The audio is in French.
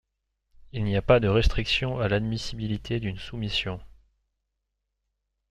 Il n'y a pas de restriction à l'admissibilité d'une soumission.